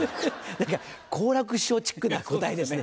何か好楽師匠チックな答えですね。